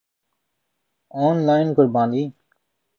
on line قربانی